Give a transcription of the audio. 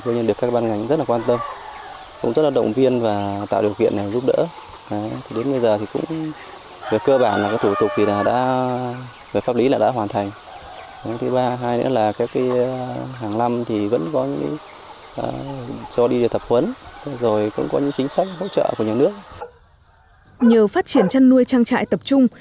nhờ phát triển chăn nuôi trang trại tập trung